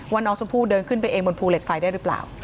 น้องชมพู่เดินขึ้นไปเองบนภูเหล็กไฟได้หรือเปล่า